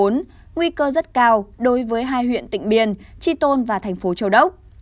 nguy cơ rất cao đối với hai huyện tịnh biên tri tôn và thành phố châu đốc